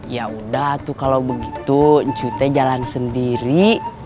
yaudah tuh kalau begitu ucuy jalan sendiri